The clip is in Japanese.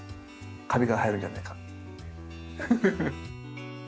カビが生えるんじゃないかって。